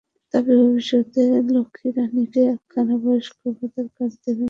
তবে ভবিষ্যতে লক্ষ্মীরানীকে একখানা বয়স্ক ভাতার কার্ড দেবেন বলে তিনি আশ্বাস দেন।